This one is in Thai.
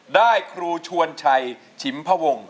ได้ครูชวนชัยชิมพวง